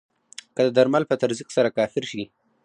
که د درمل په تزریق سره کافر شي.